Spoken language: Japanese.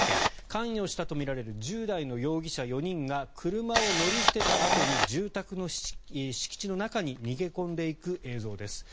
関与したとみられる１０代の容疑者４人が車を乗り捨てたあとに住宅の敷地の中に逃げ込んでいく映像です。